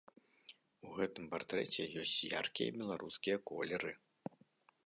У гэтым партрэце ёсць яркія беларускія колеры.